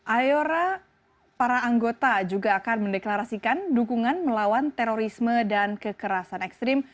ayora para anggota juga akan mendeklarasikan dukungan melawan terorisme dan kekerasan ekstrim